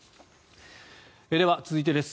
では、続いてです。